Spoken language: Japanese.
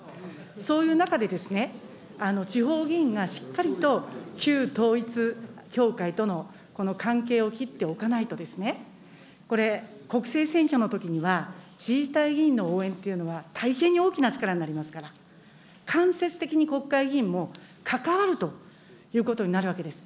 そういう中で、地方議員がしっかりと、旧統一教会とのこの関係を切っておかないと、これ、国政選挙のときには、自治体議員の応援というのは大変に大きな力になりますから、間接的に国会議員も関わるということになるわけです。